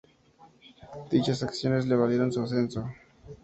Dichas acciones le valieron su ascenso.